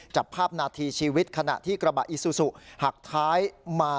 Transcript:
จับภาพนาทีชีวิตขณะที่กระบะอิซูซูหักท้ายมา